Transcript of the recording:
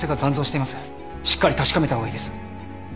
しっかり確かめた方がいいです。